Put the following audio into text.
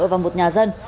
và một nhà dân